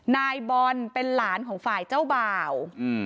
นายบอลเป็นหลานของฝ่ายเจ้าบ่าว